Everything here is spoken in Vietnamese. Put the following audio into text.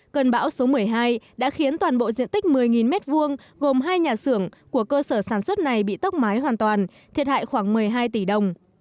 cơn bão số một mươi hai đã khiến toàn bộ diện tích một mươi m hai gồm hai nhà xưởng của cơ sở sản xuất này bị tốc mái hoàn toàn thiệt hại khoảng một mươi hai tỷ đồng